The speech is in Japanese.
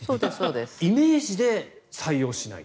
イメージで採用しない。